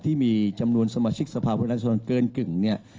ที่มีจำนวนสมาชิกสภาพุทธรัศดรเกินกึ่งเนี่ย